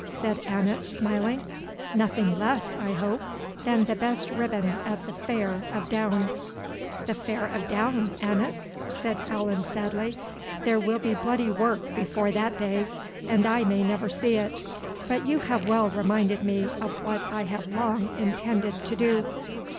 said Annot, smiling; "nothing less, I hope, than the best ribbon at the Fair of Doune." "The Fair of Doune, Annot?" said Allan sadly; "there will be bloody work before that day, and I may never see it; but you have well reminded me of what I have long intended to do."